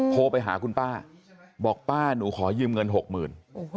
โทรไปหาคุณป้าบอกป้าหนูขอยืมเงินหกหมื่น